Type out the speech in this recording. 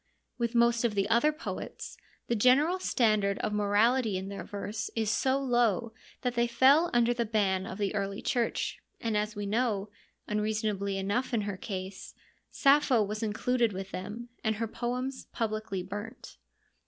With most of the other poets, the general standard of morality in their verse is so low that they fell under the ban of the Early Church, and as we know — unreasonably enough in her case — Sappho was included with them, and her poems publicly burnt.